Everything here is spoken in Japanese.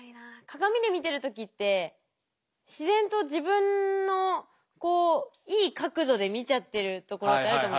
鏡で見てる時って自然と自分のいい角度で見ちゃってるところってあると。